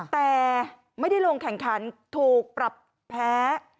แต่ไม่ได้ลงแข่งขันถูกปรับแพ้